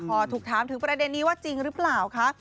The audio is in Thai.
พอถูกถามถึงประเด็นนี้ว่าจริงหรือเปล่าคะ